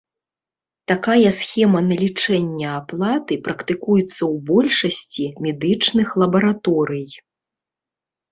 Такая схема налічэння аплаты практыкуецца ў большасці медычных лабараторый.